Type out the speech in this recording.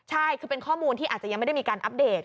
ใช่คือเป็นข้อมูลที่อาจจะยังไม่ได้มีการอัปเดต